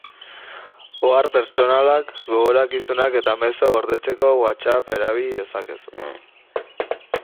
Ohar pertsonalak, gogorakizunak eta mezuak gordetzeko Whatsapp erabili dezakezu.